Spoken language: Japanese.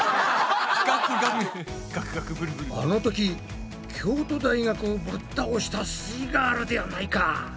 あの時京都大学をぶったおしたすイガールではないか！